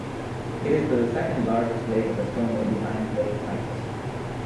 It is the second largest lake of Estonia behind Lake Peipus.